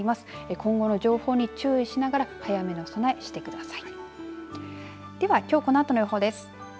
今後の情報に注意しながら早めの備えをしてください。